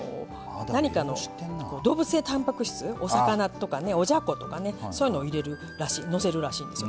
動物性たんぱく質お魚とかねおじゃことかねそういうのをのせるらしいですよ